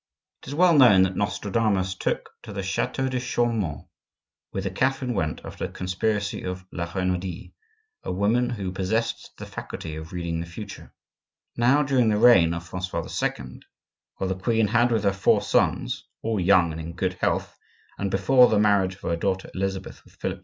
It is well known that Nostradamus took to the chateau de Chaumont, whither Catherine went after the conspiracy of La Renaudie, a woman who possessed the faculty of reading the future. Now, during the reign of Francois II., while the queen had with her her four sons, all young and in good health, and before the marriage of her daughter Elizabeth with Philip II.